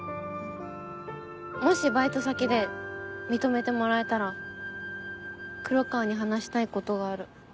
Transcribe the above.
もしバイト先で認めてもらえたら黒川に話したいことがある。